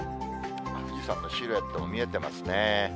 富士山のシルエットも見えてますね。